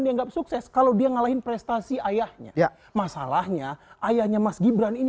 dianggap sukses kalau dia ngalahin prestasi ayahnya masalahnya ayahnya mas gibran ini